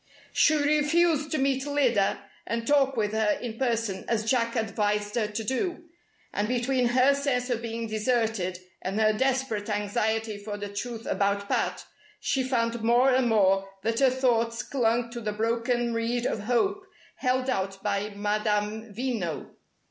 She refused to meet Lyda and talk with her in person as Jack advised her to do, and between her sense of being deserted and her desperate anxiety for the truth about Pat, she found more and more that her thoughts clung to the broken reed of hope held out by Madame Veno.